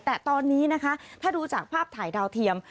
แต่ตอนนี้นะคะถ้าดูจากภาพถ่ายดาวเทียม